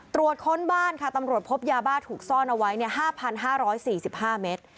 ค้นบ้านค่ะตำรวจพบยาบ้าถูกซ่อนเอาไว้๕๕๔๕เมตร